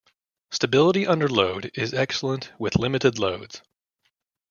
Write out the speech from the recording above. Stability under load is excellent with limited loads.